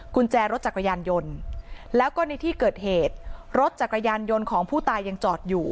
กุญแจรถจักรยานยนต์แล้วก็ในที่เกิดเหตุรถจักรยานยนต์ของผู้ตายยังจอดอยู่